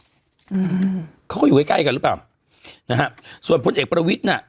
อืมเขาก็อยู่ใกล้ใกล้กันหรือเปล่านะฮะส่วนพลเอกประวิทย์น่ะ